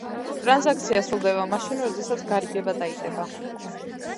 ტრანზაქცია სრულდება მაშინვე, როდესაც გარიგება დაიდება.